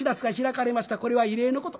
これは異例のこと。